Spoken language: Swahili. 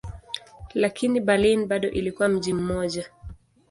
Lakini Berlin bado ilikuwa mji mmoja.